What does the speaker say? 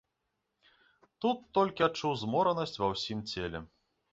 Тут толькі адчуў зморанасць ва ўсім целе.